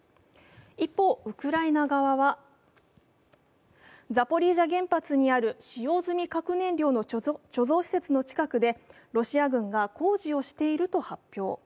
一方、ウクライナ側はザポリージャ原発にある使用済み核燃料の貯蔵施設近くでロシア軍が工事をしていると発表。